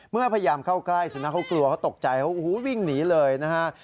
เมื่อพยายามเข้าใกล้สุนัขกลัวเขาตกใจวิ่งหนีเลยนะฮะ